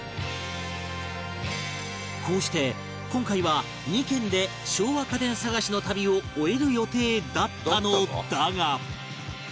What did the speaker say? こうして今回は２軒で昭和家電探しの旅を終える予定だったのだが